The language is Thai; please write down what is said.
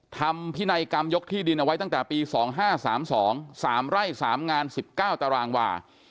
ทำพินัยกรรมยกที่ดินเอาไว้ตั้งแต่ปี๒๕๓๒๓ไร่๓งาน๑๙ตารางวา